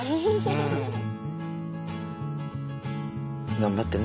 頑張ってね。